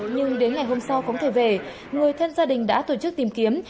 nhưng đến ngày hôm sau không thể về người thân gia đình đã tổ chức tìm kiếm